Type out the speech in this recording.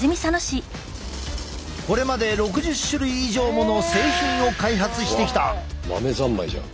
これまで６０種類以上もの製品を開発してきた。